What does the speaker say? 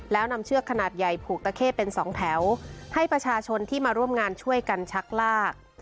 แล้วนำเชือกขนาดใหญ่ผูกตะเข้เป็นสองแถวให้ประชาชนที่มาร่วมงานช่วยกันชักลาก